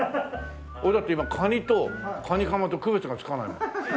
俺だって今カニとカニカマと区別がつかないもん。